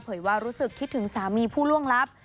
ว่ารู้สึกคิดถึงสามีผู้ล่วงลับ